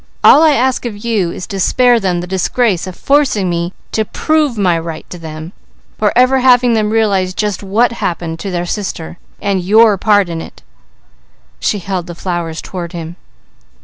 All I ask of you is to spare them the disgrace of forcing me to prove my right to them, or ever having them realize just what happened to their sister, and your part in it." She held the flowers toward him.